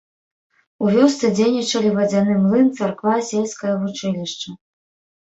У вёсцы дзейнічалі вадзяны млын, царква, сельскае вучылішча.